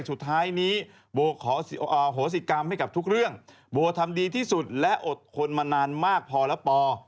สุดท้ายนี้โบขอโหสิกรรมให้กับทุกเรื่องโบทำดีที่สุดและอดทนมานานมากพอแล้วปอ